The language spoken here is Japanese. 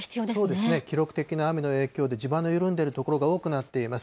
そうですね、記録的な雨の影響で地盤の緩んでいる所が多くなっています。